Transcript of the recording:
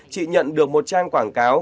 chị nhận được một trang quảng cáo